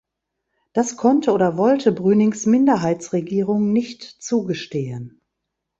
Das konnte oder wollte Brünings Minderheitsregierung nicht zugestehen.